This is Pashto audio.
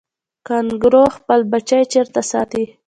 کانګارو خپل بچی چیرته ساتي؟